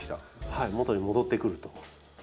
はい元に戻ってくると。